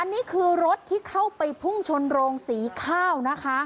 นี่คือรถที่เข้าไปพุ่งชนโรงสีข้าวนะคะ